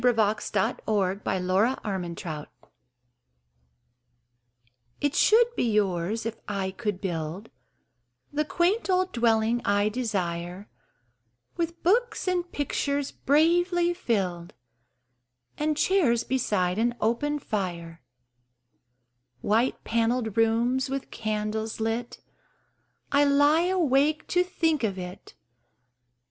Christopher Morley Our House IT should be yours, if I could build The quaint old dwelling I desire, With books and pictures bravely filled And chairs beside an open fire, White panelled rooms with candles lit I lie awake to think of it!